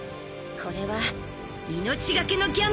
これは命懸けのギャンブルよ！